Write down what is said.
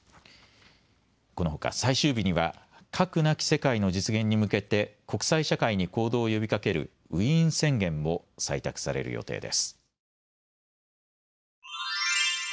このほか最終日には核なき世界の実現に向けて国際社会に行動を呼びかけるウィーン宣言も採択される予定です。